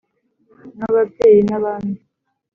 nk’ababyeyi n’abami,